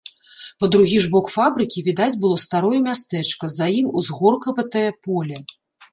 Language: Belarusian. Па другі ж бок фабрыкі відаць было старое мястэчка, за ім узгоркаватае поле.